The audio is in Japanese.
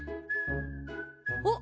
おっ！